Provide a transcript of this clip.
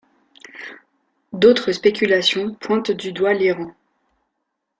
D’autres spéculations pointent du doigt l’Iran.